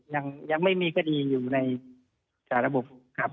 ยังไม่มีคดีอยู่ในสาระบบครับ